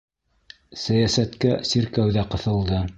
Сәйәсәткә сиркәү ҙә ҡыҫылды